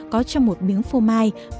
có trong một miếng phô mai